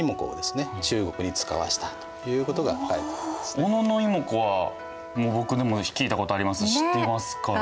小野妹子は僕でも聞いたことありますし知ってますから。